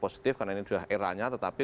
positif karena ini adalah era nya tetapi